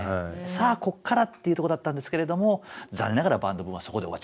さあこっからっていうとこだったんですけれども残念ながらバンドブームはそこで終わっちゃったって感じ。